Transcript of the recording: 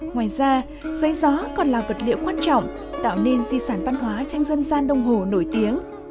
ngoài ra giấy gió còn là vật liệu quan trọng tạo nên di sản văn hóa tranh dân gian đông hồ nổi tiếng